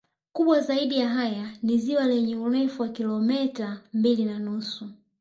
Kubwa zaidi ya haya ni ziwa lenye urefu wa kilometa mbili na nusu